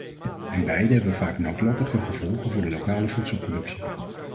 En beide hebben vaak noodlottige gevolgen voor de lokale voedselproductie.